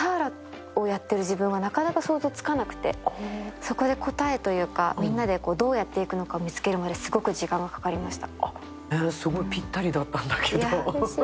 そこで答えというか、みんなでどうやってやっていくか見つけるまですごく時間がかかりました。